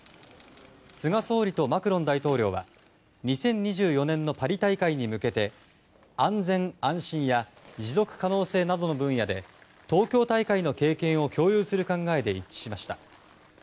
菅総理とマクロン大統領は２０２４年のパリ大会に向けて安全・安心や持続可能性などの分野で東京大会の経験を共有する考えで一致しました。